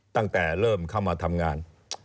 ตั้งแต่เริ่มเข้ามาทำงาน